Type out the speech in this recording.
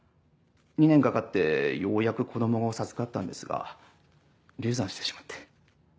２年かかってようやく子供を授かったんですが流産してしまって。